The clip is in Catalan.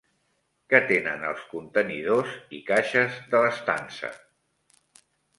Què tenen els contenidors i caixes de l'estança?